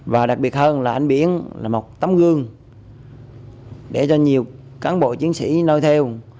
và đặc biệt hơn là anh biển là một tấm gương để cho nhiều cán bộ chiến sĩ nôi theo